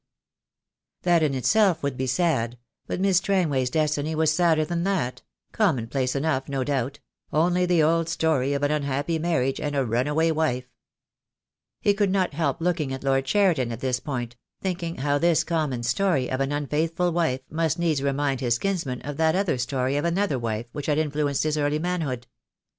The Day will come, II. 8 I I 4 THE DAY WILL COME. "That in itself would be sad, but Miss Strangway's destiny was sadder than that — commonplace enough, no doubt — only the old story of an unhappy marriage and a runaway wife." He could not help looking at Lord Cheriton at this point, thinking how this common story of an unfaithful wife must needs remind his kinsman of that other story of another wife which had influenced his early manhood.